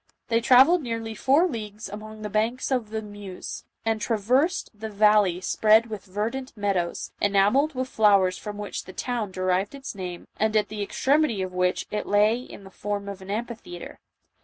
They travelled nearly four leagues along the banks of the Meuse, and traversed the valley spread with verdant meadows, enamelled with flowers from which the town derived its name, and at the extremity of which it lay in the form of an amphitheatre.